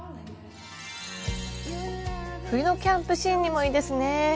冬のキャンプシーンにもいいですねぇ。